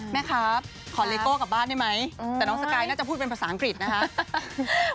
แม่ครับขอเลโก้กลับบ้านได้ไหมแต่น้องสกายน่าจะพูดเป็นภาษาอังกฤษนะครับ